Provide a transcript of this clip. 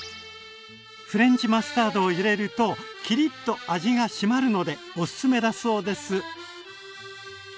フレンチマスタードを入れるとキリッと味がしまるのでおすすめだそうです。